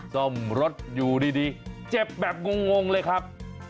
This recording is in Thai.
ซ่อมรถอยู่ดีเจ็บแบบงงเลยครับ